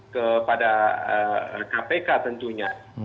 kepada kpk tentunya